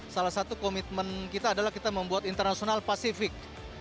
salah satu komitmen kita adalah kita membuat internasional pasifik